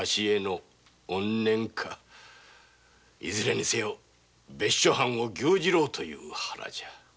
いずれにせよ「別所藩を牛耳ろう」という腹。